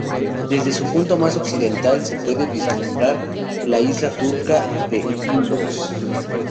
Desde su punto más occidental se puede vislumbrar la isla turca de Imbros.